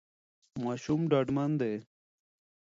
ماشوم ډاډمن دی.